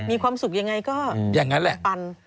มีความสุขยังไงก็อย่างนั้นแหละปัน